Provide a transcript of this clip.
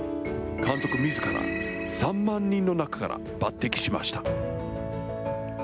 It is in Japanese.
監督みずから３万人の中から抜てきしました。